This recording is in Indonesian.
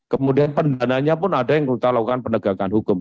kemudian pendananya pun ada yang kita lakukan penegakan hukum